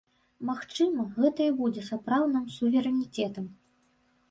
Магчыма, гэта і будзе сапраўдным суверэнітэтам.